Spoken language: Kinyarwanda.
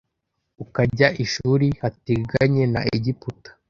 ukajya i shuri hateganye na egiputa